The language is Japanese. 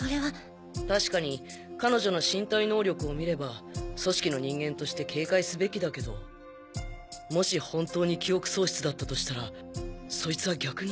確かに彼女の身体能力を見れば「組織」の人間として警戒すべきだけどもし本当に記憶喪失だったとしたらそいつは逆に。